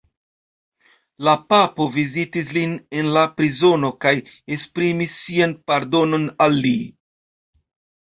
La papo vizitis lin en la prizono kaj esprimis sian pardonon al li.